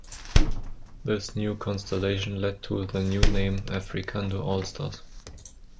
This new constellation led to the new name "Africando All Stars".